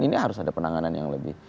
ini harus ada penanganan yang lebih